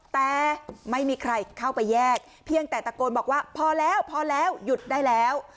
แต่ไม่มีใครเข้าไปแยกเพียงแต่ตะโกนบอกว่าพอแล้วพอแล้วหยุดได้แล้ว